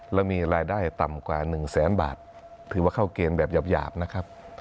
แล้วมีรายได้ต่ำกว่า๑แสนบาทถือว่าเข้าเกณฑ์แบบหยาบนะครับ